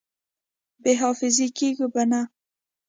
بې حافظې کېږو به نه!